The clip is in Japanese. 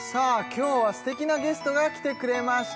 今日は素敵なゲストが来てくれました